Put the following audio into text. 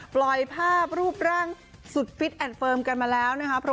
ปล่อยภาพรูปร่างสุดฟิตแอนด์เฟิร์มกันมาแล้วนะคะ